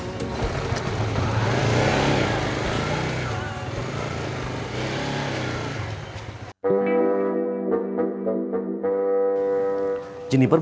sampai jumpa lagi